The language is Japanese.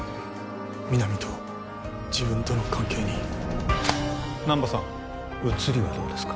皆実と自分との関係に難波さん写りはどうですか？